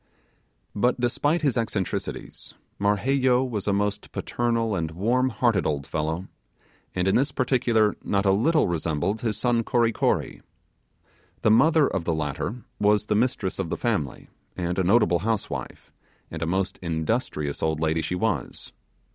But despite his eccentricities, Marheyo was a most paternal and warm hearted old fellow, and in this particular not a little resembled his son Kory Kory. The mother of the latter was the mistress of the family, and a notable housewife, and a most industrious old lady she was.